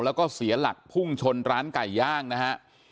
แล้วก็เสียหลักพุ่งชนร้านไก่ย่างนะฮะ